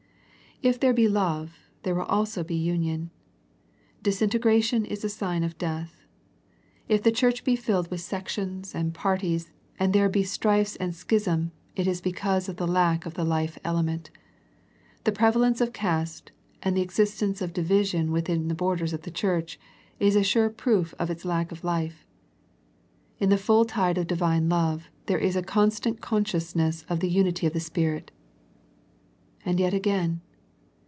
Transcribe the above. If there be love, there will also be union. Disintegration is a sign of death. If the church be filled with sections, and parties, and there be strifes and schism it is because of the lack of the life element. The prevalence of caste, and the existence of division within the borders of the church is a sure proof of its lack of life. In the full tide of Divine life, there is a constant consciousness of the unity of the Spirit. And yet again.